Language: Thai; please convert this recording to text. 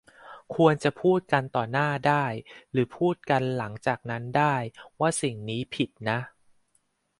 ควรจะพูดกันต่อหน้าได้หรือพูดกันหลังจากนั้นได้ ว่าสิ่งนี้ผิดนะ